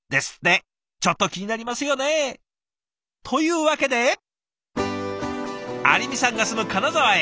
ちょっと気になりますよね？というわけで有美さんが住む金沢へ。